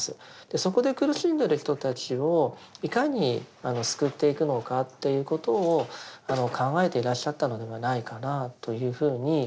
そこで苦しんでる人たちをいかに救っていくのかということを考えていらっしゃったのではないかなというふうに思います。